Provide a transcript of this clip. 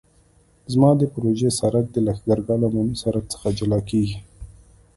زما د پروژې سرک د لښکرګاه له عمومي سرک څخه جلا کیږي